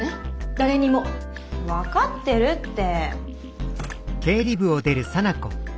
誰にも。分かってるって。